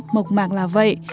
mộc mạc là vậy